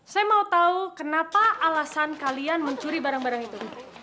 saya mau tahu kenapa alasan kalian mencuri barang barang itu